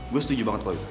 gue setuju banget klo